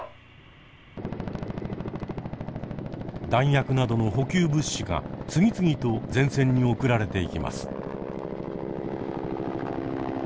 弾薬などの補給物資が次々と前線に送られていきます。